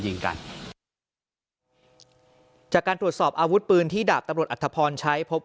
ยิงกันจากการตรวจสอบอาวุธปืนที่ดาบตำรวจอัธพรใช้พบ